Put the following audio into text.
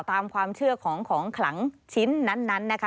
ตามความเชื่อของของขลังชิ้นนั้นนะคะ